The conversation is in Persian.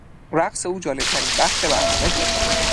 رقص او جالبترین بخش برنامه بود.